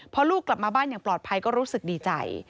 พอลูกกลับมาบ้านอย่างปลอดภัยก็รู้สึกดีใจ